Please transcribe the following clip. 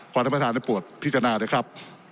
ท่านประธานได้ปวดพิจารณาด้วยครับ